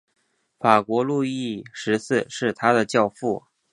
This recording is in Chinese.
法国路易十四是他的教父。